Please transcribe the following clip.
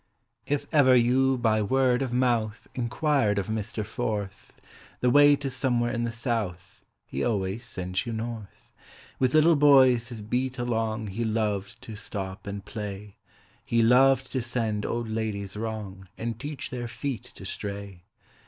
If ever you by word of mouth Enquired of MISTER FORTH The way to somewhere in the South, He always sent you North. With little boys his beat along He loved to stop and play; He loved to send old ladies wrong, And teach their feet to stray.